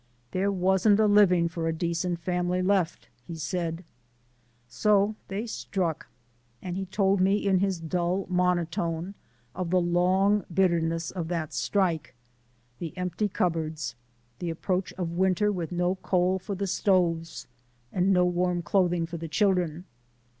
"There wasn't a living for a decent family left," he said. So they struck and he told me in his dull monotone of the long bitterness of that strike, the empty cupboards, the approach of winter with no coal for the stoves and no warm clothing for the children.